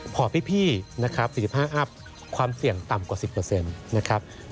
พอพี่นะครับ๔๕อัพความเสี่ยงต่ำกว่า๑๐นะครับ